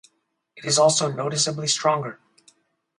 It is also noticeably stronger.